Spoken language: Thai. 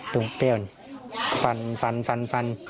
ตรงผ้าฟัน